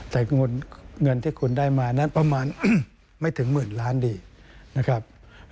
แต่เงินที่คุณได้มานั้นประมาณไม่ถึงหมื่นล้านดีนะครับ